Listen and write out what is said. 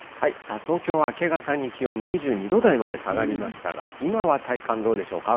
東京は明け方に気温２２度台まで下がりましたが、今は体感、どうでしょうか。